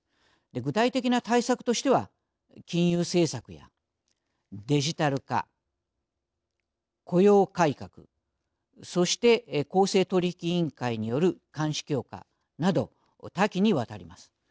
具体的な対策としては金融政策やデジタル化雇用改革そして公正取引委員会による監視強化など多岐にわたります。